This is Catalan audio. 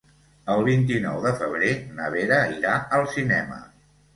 El vint-i-nou de febrer na Vera irà al cinema.